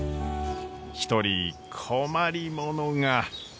一人困り者が。